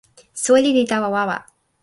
soweli li tawa wawa.